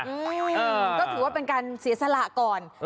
อืมก็ถือว่าเป็นการเสียสละก่อน